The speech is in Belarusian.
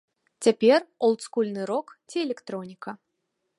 Цяпер олдскульны рок ці электроніка.